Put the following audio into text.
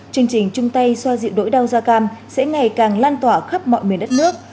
chương trình chung tay xoa dịu nỗi đau da cam sẽ ngày càng lan tỏa khắp mọi miền đất nước